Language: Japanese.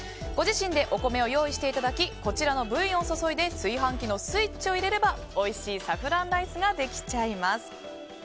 ご自身でお米を用意していただきこちらのブイヨンを注いで炊飯器のスイッチを入れればおいしいサフランライスができちゃいます。